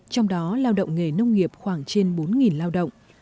trong đó lao động nghề nông nghiệp khoảng trên bốn lao động